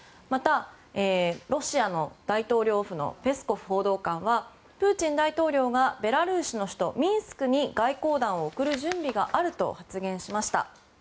また、ロシアの大統領府のペスコフ報道官はプーチン大統領がベラルーシの首都ミンスクに外交団を送る準備があると発言しました。